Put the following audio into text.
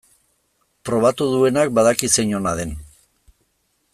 Probatu duenak badaki zein ona den.